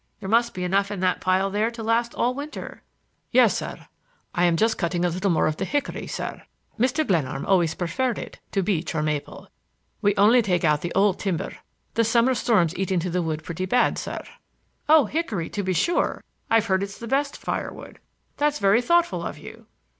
There must be enough in the pile there to last all winter." "Yes, sir; I am just cutting a little more of the hickory, sir. Mr. Glenarm always preferred it to beech or maple. We only take out the old timber. The summer storms eat into the wood pretty bad, sir." "Oh, hickory, to be sure! I've heard it's the best firewood. That's very thoughtful of you."